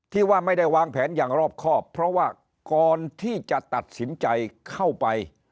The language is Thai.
ที่ว่าไม่ได้วางแผนอย่างรอบครอบเพราะว่าก่อนที่จะตัดสินใจเข้าไป